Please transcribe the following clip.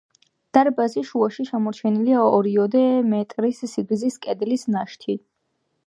დარბაზის შუაში შემორჩენილია ორიოდე მეტრის სიგრძის კედლის ნაშთი.